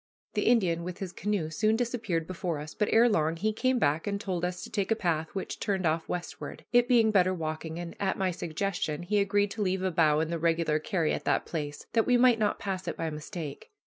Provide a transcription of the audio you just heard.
The Indian with his canoe soon disappeared before us, but ere long he came back and told us to take a path which turned off westward, it being better walking, and, at my suggestion, he agreed to leave a bough in the regular carry at that place that we might not pass it by mistake.